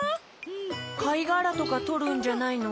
かいがらとかとるんじゃないの？